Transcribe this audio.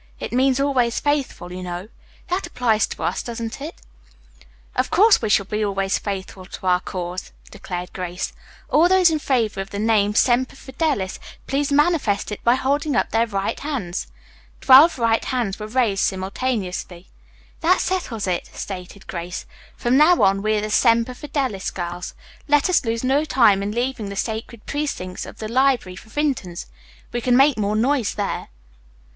It means 'always faithful,' you know. That applies to us, doesn't it?" "Of course we shall be always faithful to our cause," declared Grace. "All those in favor of the name Semper Fidelis, please manifest it by holding up their right hands." Twelve right hands were raised simultaneously. "That settles it," stated Grace. "From now on we are the Semper Fidelis girls. Let us lose no time in leaving the sacred precincts of the library for Vinton's. We can make more noise there."